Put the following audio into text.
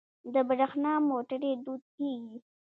د بریښنا موټرې دود کیږي.